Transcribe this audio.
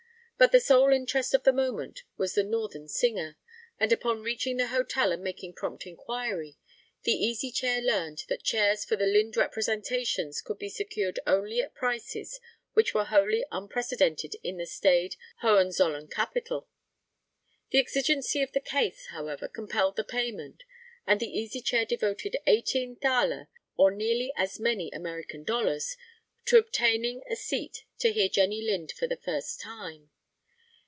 But the sole interest of the moment was the Northern singer, and upon reaching the hotel and making prompt inquiry, the Easy Chair learned that chairs for the Lind representations could be secured only at prices which were wholly unprecedented in the staid Hohenzollern capital. The exigency of the case, however, compelled the payment, and the Easy Chair devoted eighteen thaler, or nearly as many American dollars, to obtaining a seat to hear Jenny Lind for the first time.